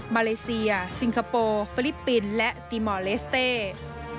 มาเลเซียซิงคโปร์ฟิลิปปินส์และตีมอลเลสเต้